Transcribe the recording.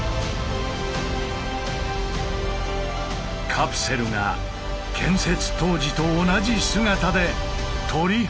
カプセルが建設当時と同じ姿で取り外された。